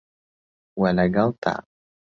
وه لەگەڵ تا